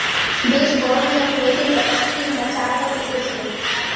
বেশ গরম যেন মেয়েটির এক শ তিন বা চার জ্বর উঠেছে।